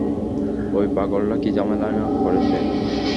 ওই পাগলটা কী ঝামেলাই না করেছে।